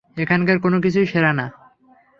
এখানকার কোনোকিছুই সেরা না।